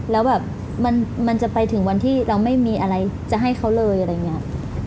แล้วแบบมันจะไปถึงวันที่เราไม่มีอะไรจะให้เขาเลยอะไรอย่างนี้